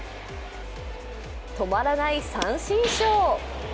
止まらない三振ショー。